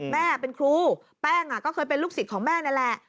แม่เป็นครูแป้งก็เคยเป็นลูกศิษย์ของแม่นี่แหละ